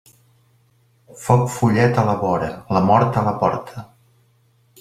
Foc follet a la vora, la mort a la porta.